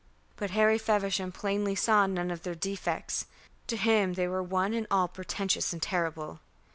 But Harry Feversham plainly saw none of their defects. To him they were one and all portentous and terrible.